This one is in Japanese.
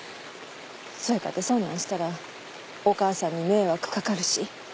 そやかてそんなんしたらお母さんに迷惑掛かるし。